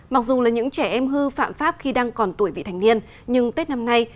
mặc dù là những trẻ em hư phạm pháp khi đang còn tuổi vị thành niên nhưng tết năm nay